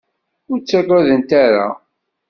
Ur ttaggadent ara.